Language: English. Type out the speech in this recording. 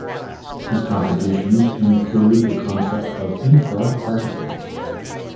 His contributions include the concept of infraparticles.